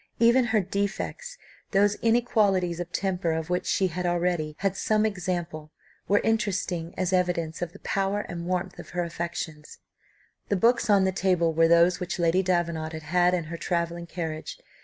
Even her defects those inequalities of temper of which she had already had some example, were interesting as evidences of the power and warmth of her affections. The books on the table were those which Lady Davenant had had in her travelling carriage.